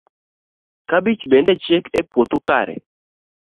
kabich bende chiek e puothu kare